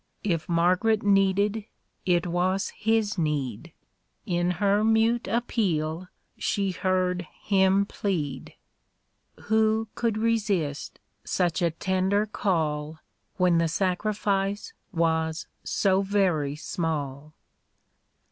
If Margaret needed, it was His need ; In her mute appeal she heard Him plead; Who could resist such a tender call, When the sacrifice was so very small